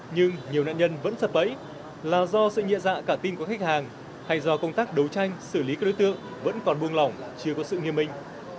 nhưng nhiều nạn nhân vẫn sập bẫy là do sự nhịa dạ cả tin của khách hàng hay do công tác đấu tranh xử lý các đối tượng vẫn còn buông lỏng chưa có sự nghiêm minh